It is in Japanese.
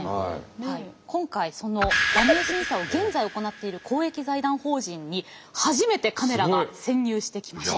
今回その馬名審査を現在行っている公益財団法人に初めてカメラが潜入してきました。